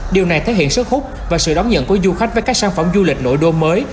điều này thể hiện sức hút và sự đón nhận của du khách với các sản phẩm du lịch nội đô mới